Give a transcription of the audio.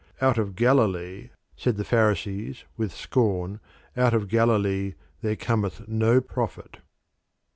"Out of Galilee," said the Pharisees with scorn, "out of Galilee there cometh no prophet."